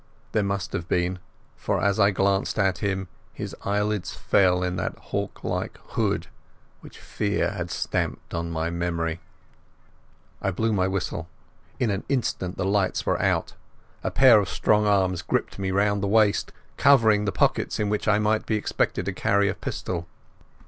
There must have been, for as I glanced at him, his eyelids fell in that hawk like hood which fear had stamped on my memory. I blew my whistle. In an instant the lights were out. A pair of strong arms gripped me round the waist, covering the pockets in which a man might be expected to carry a pistol.